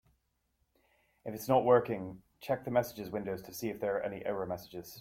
If it's not working, check the messages window to see if there are any error messages.